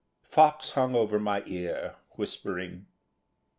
Fox hung over my ear, whispering.